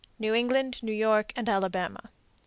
_New England, New York, and Alabama.